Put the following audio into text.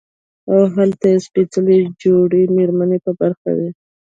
او هلته به ئې سپېڅلې جوړې ميرمنې په برخه وي